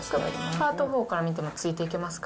パート４から見てもついていけますか？